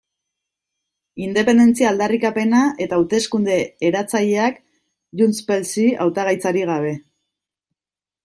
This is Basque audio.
Independentzia aldarrikapena eta hauteskunde eratzaileak JxSí hautagaitzarik gabe.